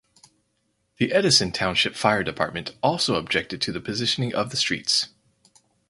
The Edison Township Fire Department also objected to the positioning of the streets.